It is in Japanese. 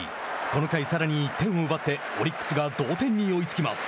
この回、さらに１点を奪ってオリックスが同点に追いつきます。